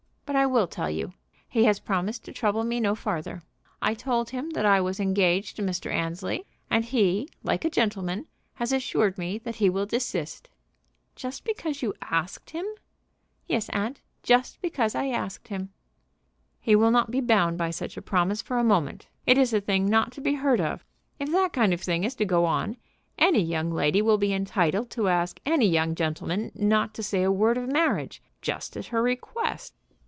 But I will tell you. He has promised to trouble me no farther. I told him that I was engaged to Mr. Annesley, and he, like a gentleman, has assured me that he will desist." "Just because you asked him?" "Yes, aunt; just because I asked him." "He will not be bound by such a promise for a moment. It is a thing not to be heard of. If that kind of thing is to go on, any young lady will be entitled to ask any young gentleman not to say a word of marriage, just at her request."